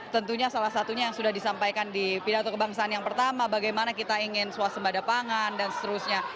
tentunya salah satunya yang sudah disampaikan di pidato kebangsaan yang pertama bagaimana kita ingin suasembada pangan dan seterusnya